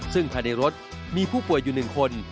ซึ่งภายในรถมีผู้ป่วยอยู่๑คน